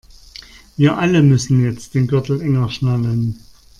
Wir alle müssen jetzt den Gürtel enger schnallen.